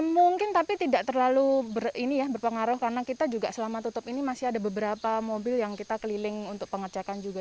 mungkin tapi tidak terlalu berpengaruh karena kita juga selama tutup ini masih ada beberapa mobil yang kita keliling untuk pengecekan juga